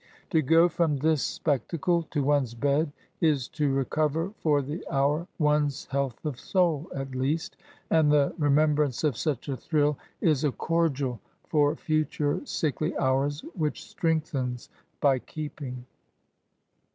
To go from this spectacle to one's bed is to recover for the hour one's health of soul, at least : and the remem^r brance of such a thrill is a cordial for future sickly hours which strengthens by keeping.